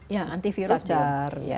ya anti virus belum